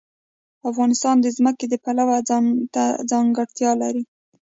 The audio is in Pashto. افغانستان د ځمکه د پلوه ځانته ځانګړتیا لري.